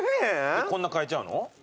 でこんな買えちゃうの？